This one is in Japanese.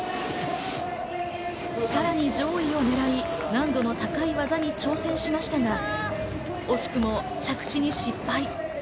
さらに上位を狙い、難度の高い技に挑戦しましたが、惜しくも着地に失敗。